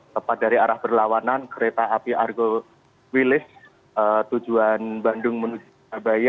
tepat dari arah berlawanan kereta api argo wilis tujuan bandung menuju surabaya